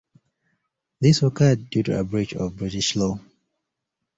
This occurred due to a breach of British law.